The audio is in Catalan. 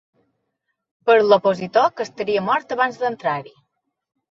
Per l’opositor, que estaria mort abans d’entrar-hi.